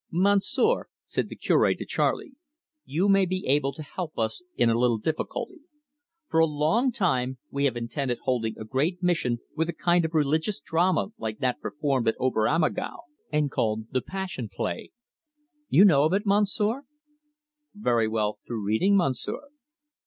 "Monsieur," said the Cure to Charley, "you maybe able to help us in a little difficulty. For a long time we have intended holding a great mission with a kind of religious drama like that performed at Ober Ammergau, and called The Passion Play. You know of it, Monsieur?" "Very well through reading, Monsieur."